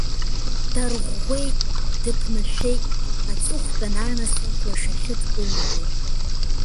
Дарӷәӷәеит, дыԥнашәеит, аҵыхәтәан анасыԥ лашахьы дкылнагеит.